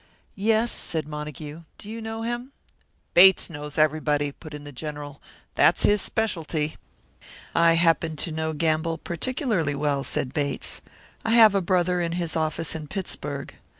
"Yes," said Montague. "Do you know him?" "Bates knows everybody," put in the General; "that's his specialty." "I happen to know Gamble particularly well," said Bates. "I have a brother in his office in Pittsburg.